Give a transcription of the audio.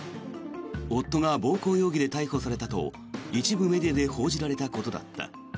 夫が暴行容疑で逮捕されたと一部メディアで報じられたことだった。